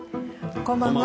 こんばんは。